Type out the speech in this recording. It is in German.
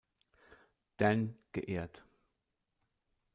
Dan geehrt.